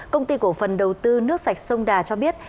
công ty cổ phần đầu tư nước sạch sông đà cho biết